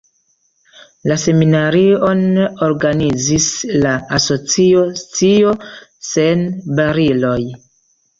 La seminarion organizis la asocio Scio Sen Bariloj.